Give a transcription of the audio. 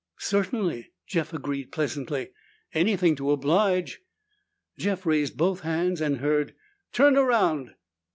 "Certainly," Jeff agreed pleasantly. "Anything to oblige." Jeff raised both hands and heard, "Turn around!"